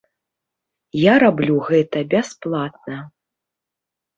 Я раблю гэта бясплатна.